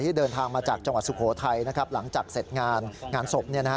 เดินทางมาจากจังหวัดสุโขทัยนะครับหลังจากเสร็จงานงานศพ